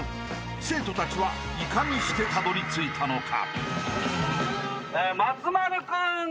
［生徒たちはいかにしてたどりついたのか？］